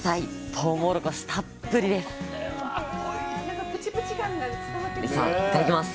とうもろこしたっぷりです折井さんいただきます！